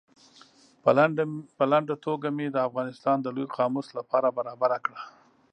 په لنډه توګه مې د افغانستان د لوی قاموس له پاره برابره کړه.